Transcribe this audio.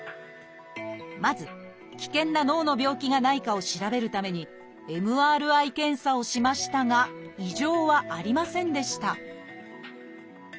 まず危険な脳の病気がないかを調べるためにＭＲＩ検査をしましたが異常はありませんでした